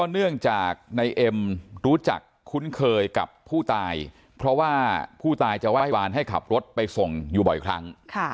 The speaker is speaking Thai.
เนื่องจากนายเอ็มรู้จักคุ้นเคยกับผู้ตายเพราะว่าผู้ตายจะไหว้วานให้ขับรถไปส่งอยู่บ่อยครั้ง